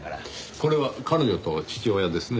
これは彼女と父親ですね。